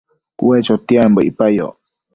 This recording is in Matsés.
Ue chotiambo icpayoc